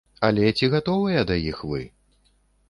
Але ці гатовыя ды іх вы?